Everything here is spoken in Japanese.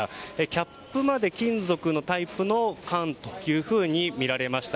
キャップまで金属のタイプの缶とみられました。